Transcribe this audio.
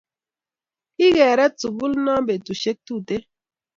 Kikiret sukul inot petushike tuten